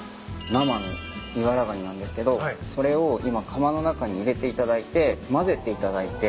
生のイバラガニなんですけどそれを今釜の中に入れていただいてまぜていただいて。